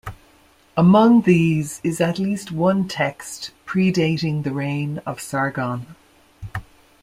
Among these is at least one text predating the reign of Sargon.